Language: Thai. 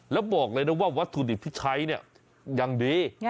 แล้วบอกเลยนะว่าวัตถุดิบที่ใช้เนี่ยยังดี